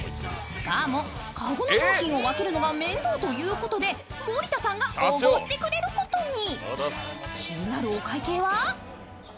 しかも、籠の商品を分けるのが面倒ということで森田さんがおごってくれることに。